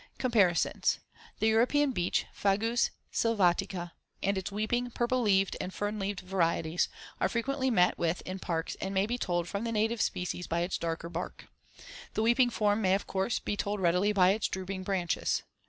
Comparisons: The European beech (Fagus sylvatica), and its weeping, purple leaved, and fern leaved varieties, are frequently met with in parks and may be told from the native species by its darker bark. The weeping form may, of course, be told readily by its drooping branches.